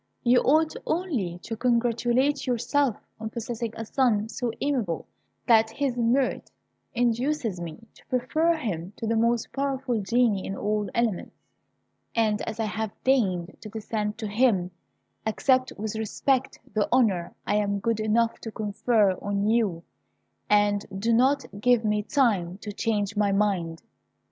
You ought only to congratulate yourself on possessing a son so amiable that his merit induces me to prefer him to the most powerful Genii in all the elements; and as I have deigned to descend to him, accept with respect the honour I am good enough to confer on you, and do not give me time to change my mind."